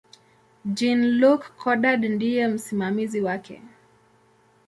Jean-Luc Godard ndiye msimamizi wake.